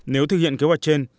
nếu thực hiện kế hoạch trên